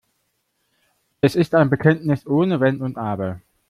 Es ist ein Bekenntnis ohne Wenn und Aber.